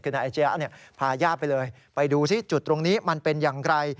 คือนายอาชียะพาญาติไปเลยไปดูซิจุดตรงนี้มันเป็นอย่างไร